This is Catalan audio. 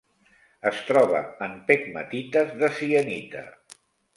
Es troba en pegmatites de sienita.